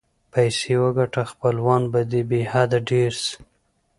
پیسې وګټه خپلوان به دې بی حده ډېر سي.